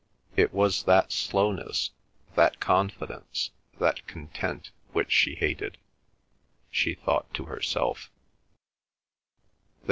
It was that slowness, that confidence, that content which she hated, she thought to herself.